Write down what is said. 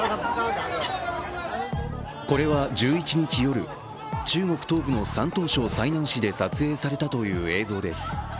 これは１１日夜、中国東部の山東省・済南市で撮影されたという映像です。